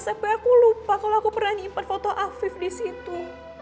sampai aku lupa kalau aku pernah nyimpet foto afif di situ